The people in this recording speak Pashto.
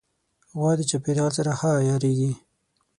غوا د چاپېریال سره ښه عیارېږي.